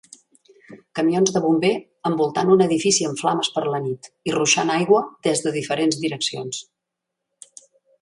Camions de bomber envoltant un edifici en flames per la nit i ruixant aigua des de diferents direccions.